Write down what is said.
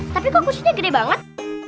tapi kok kursinya gede banget